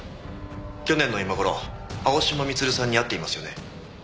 去年の今頃青嶋光留さんに会っていますよね？